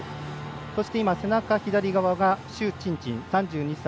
そして背中、左側が朱珍珍、３２歳。